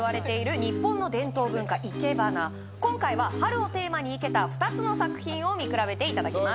今回は春をテーマに生けた２つの作品を見比べていただきます